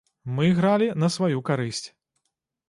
Мы гралі на сваю карысць.